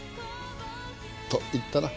と言ったな。